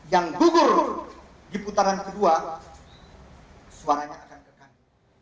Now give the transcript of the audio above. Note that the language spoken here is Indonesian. yang gugur di putaran kedua suaranya akan kekan